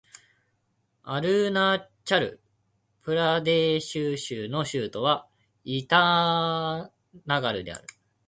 アルナーチャル・プラデーシュ州の州都はイーターナガルである